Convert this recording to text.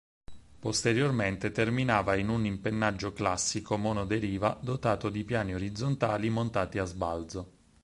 Posteriormente terminava in un impennaggio classico monoderiva dotato di piani orizzontali montati a sbalzo.